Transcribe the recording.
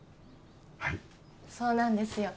はいそうなんですよ